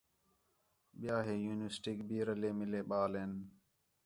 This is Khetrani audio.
ٻِیا ہِے یونیورسٹیک بھی رلّے مِلّے ٻال ہِن